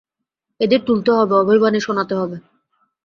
এদের তুলতে হবে, অভয়বাণী শোনাতে হবে।